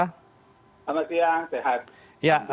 selamat siang sehat